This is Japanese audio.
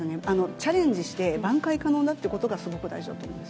チャレンジして、だんだん可能なということがすごく大事だと思います。